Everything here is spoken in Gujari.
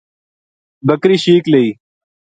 بکری شیک لئی